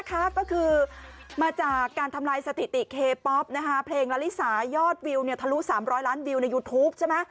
ก็คือมาจากการทำลายสถิติเคป๊อปเพลงละลิสายอดวิวทะลุ๓๐๐ล้านวิวในยูทูปใช่ไหม